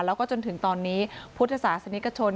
แล้วก็จนถึงตอนนี้พุทธศาสนิกชน